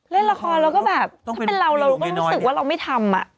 เล่นละครเราก็แบบถ้าเป็นเราเราก็รู้สึกว่าเราไม่ทำ